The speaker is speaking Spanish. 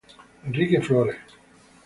Enrique Flórez.